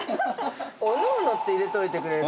◆おのおのって入れてといてくれる。